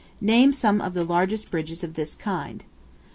Name some of the largest bridges of this kind.